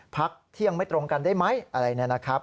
พักเที่ยงไม่ตรงกันได้ไหมอะไรเนี่ยนะครับ